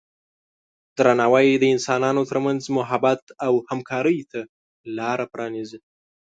درناوی د انسانانو ترمنځ محبت او همکارۍ ته لاره پرانیزي.